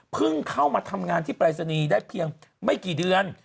เข้ามาทำงานที่ปรายศนีย์ได้เพียงไม่กี่เดือน